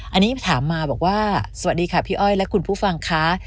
อันนี้ถามมาบอกว่าสวัสดีค่ะพี่อ้อยและคุณผู้ฟังค่ะ